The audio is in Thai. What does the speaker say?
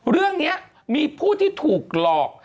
เรื่องนี้มีผู้ที่ถูกหลอก